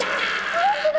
本当だ